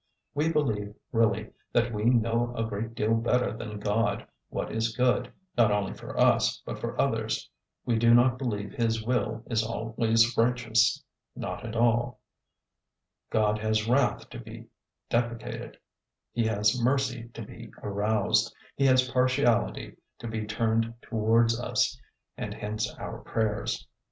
We believe, really, that we know a great deal better than God what is good, not only for us, but for others; we do not believe His will is always righteous not at all: God has wrath to be deprecated; He has mercy to be aroused; He has partiality to be turned towards us, and hence our prayers.